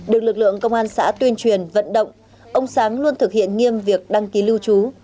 được lực lượng công an xã tuyên truyền vận động ông sáng luôn thực hiện nghiêm việc đăng ký lưu trú